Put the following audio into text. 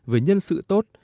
về nhân sự tốt